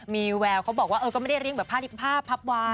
มีแววเขาบอกว่าก็ไม่ได้เรียงแบบผ้าพับไว้